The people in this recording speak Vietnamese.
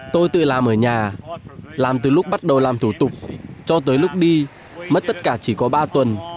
tôi tự làm ở nhà làm từ lúc bắt đầu làm thủ tục cho tới lúc đi mất tất cả chỉ có ba tuần